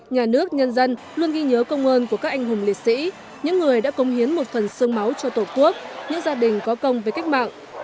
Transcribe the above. nhà nước nhân dân luôn ghi nhớ công ơn của các anh hùng liệt sĩ những người đã công hiến một phần sương máu cho tổ quốc những gia đình có công với cách mạng